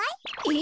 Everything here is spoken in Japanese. え？